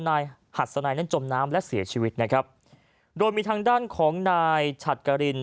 หัดสนัยนั้นจมน้ำและเสียชีวิตนะครับโดยมีทางด้านของนายฉัดกริน